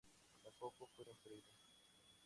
Tampoco fue construido.